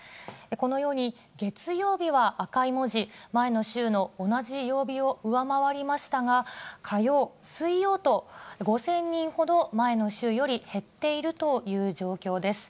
このように月曜日は赤い文字、前の週の同じ曜日を上回りましたが、火曜、水曜と、５０００人ほど前の週より減っているという状況です。